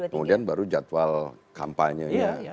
kemudian baru jadwal kampanye